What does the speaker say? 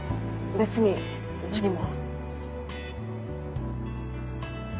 別に何も。